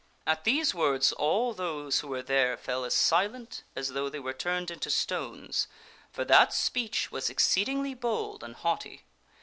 At these words all those who were there fell as silent as though they were turned into stones, for that speech was exceedingly bold and haughty.